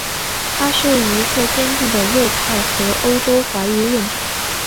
他是一个坚定的右派和欧洲怀疑论者。